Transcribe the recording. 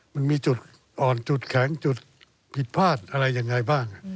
มันมีจุดอ่อนจุดแข็งจุดผิดพลาดอะไรยังไงบ้าง